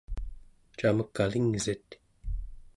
camek alingsit?